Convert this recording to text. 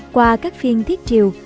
qua các phiên thiết triều